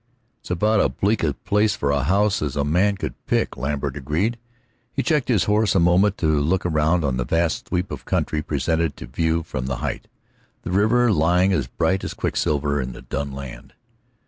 "It's about as bleak a place for a house as a man could pick," Lambert agreed. He checked his horse a moment to look round on the vast sweep of country presented to view from the height, the river lying as bright as quicksilver in the dun land.